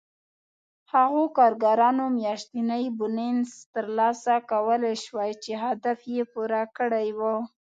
هغو کارګرانو میاشتنی بونېس ترلاسه کولای شوای چې هدف یې پوره کړی و